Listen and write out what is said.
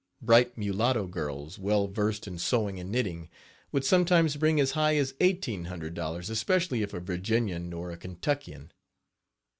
Bright mulatto girls, well versed in sewing and knitting, would sometimes bring as high as $1,800, especially if a Virginian or a Kentuckian.